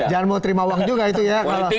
jangan mau terima uang juga itu ya